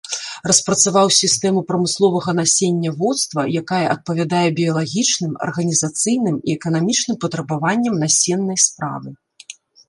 Распрацаваў сістэму прамысловага насенняводства, якая адпавядае біялагічным, арганізацыйным і эканамічным патрабаванням насеннай справы.